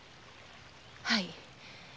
はい。